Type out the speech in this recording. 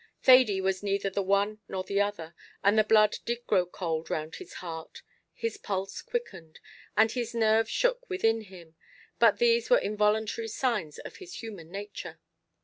Thady was neither the one nor the other; and the blood did grow cold round his heart his pulse quickened, and his nerves shook within him; but these were involuntary signs of his human nature.